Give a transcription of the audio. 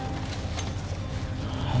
iya bener itu riki